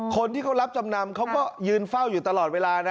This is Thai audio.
คนที่เขารับจำนำเขาก็ยืนเฝ้าอยู่ตลอดเวลานะ